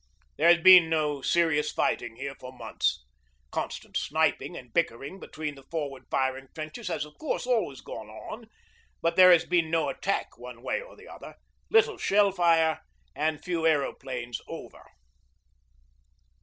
There has been no serious fighting here for months. Constant sniping and bickering between the forward firing trenches has, of course, always gone on, but there has been no attack one way or the other, little shell fire, and few aeroplanes over.